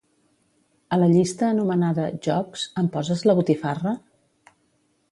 A la llista anomenada "jocs", em poses la botifarra?